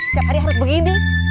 setiap hari harus begini